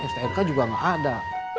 stnk juga nggak ada